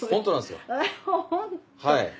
はい。